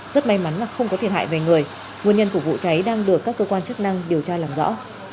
rất may mắn là không có thiệt hại về người nguyên nhân của vụ cháy đang được các cơ quan chức năng điều tra làm rõ